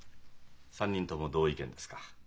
３人とも同意見ですか？